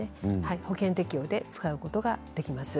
保険適用で使うことができます。